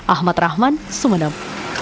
ahmad rahman sumeneb